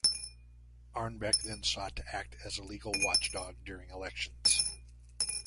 Arnebeck then sought to act as a legal watchdog during elections.